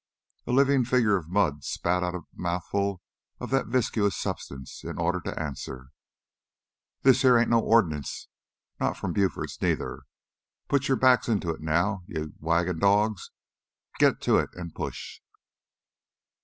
A living figure of mud spat out a mouthful of that viscous substance in order to answer. "This heah ain't no ordnance not from Buford's neither! Put your backs into it now, yo' wagon dogs! Git to it an' push!"